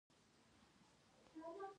زده کوونکي هم په ورځیني مزد کارګران شول.